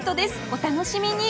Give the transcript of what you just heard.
お楽しみに！